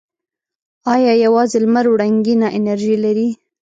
آیا یوازې لمر وړنګینه انرژي لري؟